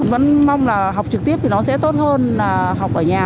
vẫn mong là học trực tiếp thì nó sẽ tốt hơn là học ở nhà